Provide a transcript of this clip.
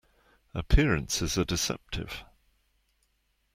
Appearances are deceptive.